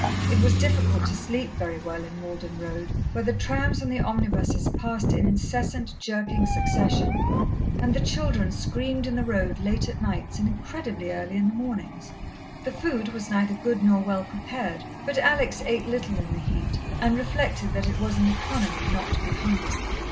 It was difficult to sleep very well in Malden Road, where the trams and the omnibuses passed in incessant, jerking succession, and the children screamed in the road late at nights and incredibly early in the mornings. The food was neither good nor well prepared, but Alex ate little in the heat, and reflected that it was an economy not to be hungry.